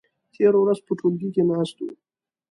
تېره ورځ په ټولګي کې ناست وو.